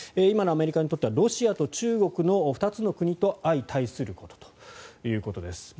今のアメリカにとってはロシアと中国の２つの国と相対することということです。